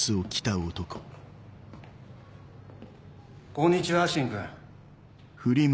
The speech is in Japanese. こんにちは芯君。